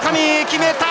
決めた！